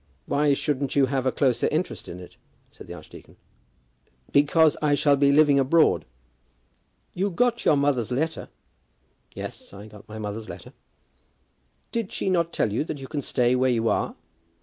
"Why shouldn't you have a closer interest in it?" said the archdeacon. "Because I shall be living abroad." "You got your mother's letter?" "Yes; I got my mother's letter." "Did she not tell you that you can stay where you are?"